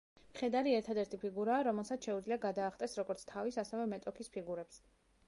მხედარი ერთადერთი ფიგურაა რომელსაც შეუძლია გადაახტეს როგორც თავის, ასევე მეტოქის ფიგურებს.